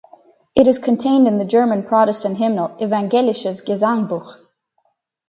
It is contained in the German Protestant hymnal "Evangelisches Gesangbuch".